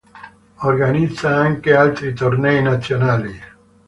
Organizza anche altri tornei nazionali.